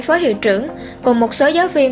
phó hiệu trưởng cùng một số giáo viên